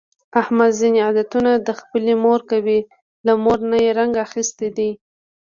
احمد ځني عادتونه د خپلې مور کوي، له مور نه یې رنګ اخیستی دی.